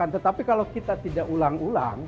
tetapi kalau kita tidak ulang ulang